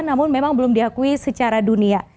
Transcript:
namun memang belum diakui secara dunia